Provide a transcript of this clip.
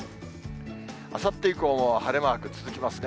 あさって以降も晴れマーク続きますね。